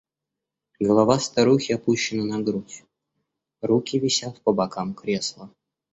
Голова старухи опущена на грудь, руки висят по бокам кресла.